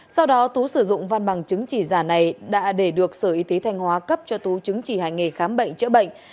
sau đó tú sử dụng văn bằng chứng chỉ giả này đã để được sở y tế thanh hóa cấp cho tú chứng chỉ hành nghề khám bệnh chữa bệnh